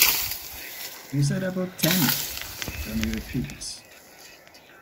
"You said about ten," Tony repeats.